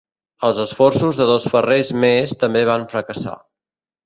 Els esforços de dos ferrers més també van fracassar.